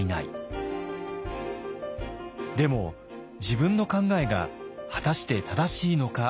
でも自分の考えが果たして正しいのか確信が持てません。